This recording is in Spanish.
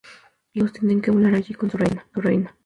Y luego todos tienen que volar allí, con su reina.